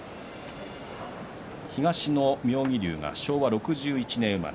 東の妙義龍が昭和６１年生まれ。